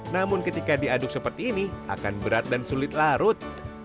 namun ketika diaduk seperti ini akan berat dan sulit larut